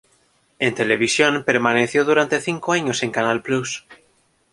En televisión permaneció durante cinco años en Canal Plus.